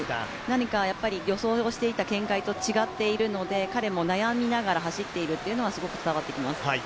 何か予想をしていた展開と違っているので彼も悩みながら走っているというのがすごく伝わってきます。